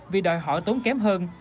vì đòi hỏi tốn kém hơn